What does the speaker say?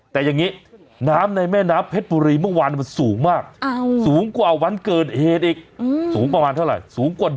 แต่อย่างนี้น้ำในแม่น้ำเพชรบุรีเมื่อวานมันสูงมาก